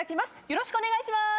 よろしくお願いします。